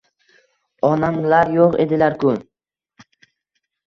— Onamlar yoʼq edilar-ku…